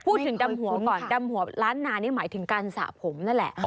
ดำหัวก่อนดำหัวล้านนานี่หมายถึงการสระผมนั่นแหละ